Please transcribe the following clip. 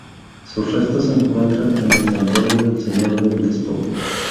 Sus restos se encuentran en el Santuario del Señor del Despojo.